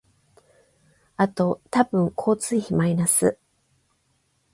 あと多分交通費マイナス